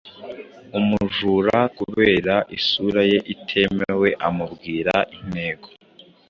umujura kubera isura ye itemewe amubwira intego